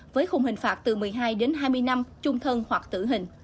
với khung hình phạt từ một mươi hai đến hai mươi năm chung thân hoặc tử hình